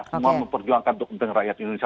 semua memperjuangkan untuk kepentingan rakyat indonesia